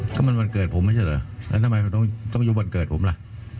ก็มันวันเกิดผมไม่ใช่เหรอแล้วทำไมมันต้องยุบวันเกิดผมล่ะ